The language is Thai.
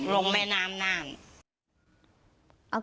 ลงแม่น้ำนั่ง